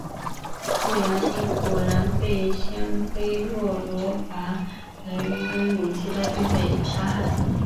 后杨欣果然被鲜卑若罗拔能于武威击败并被杀害。